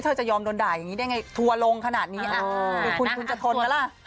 เธอจะยอมโดนด่ายอย่างงี้ได้ไงทัวร์ลงขนาดนี้อ่าคุณคุณจะทนแล้วล่ะ